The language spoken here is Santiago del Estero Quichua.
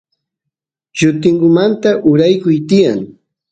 llutingumanta uraykuy tiyan